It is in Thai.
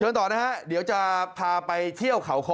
เชิญต่อนะครับเดี๋ยวจะพาไปเที่ยวเขาค้อ